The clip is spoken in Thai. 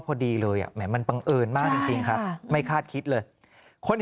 พอดีเลยอ่ะแหมมันบังเอิญมากจริงครับไม่คาดคิดเลยคน